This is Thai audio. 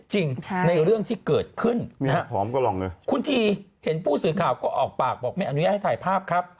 เห็นผู้สื่อข่าวก็ออกปากบอกไม่อนุญาตให้ถ่ายภาพครับ